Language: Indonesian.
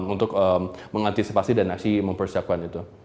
untuk mengantisipasi dan masih mempersiapkan itu